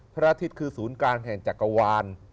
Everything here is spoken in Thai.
พระอาทิตย์คือศูนย์กลางแห่งจักรวาล